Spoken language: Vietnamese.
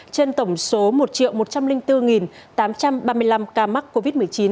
trên tổng số một một trăm linh bốn tám trăm ba mươi năm ca mắc covid một mươi chín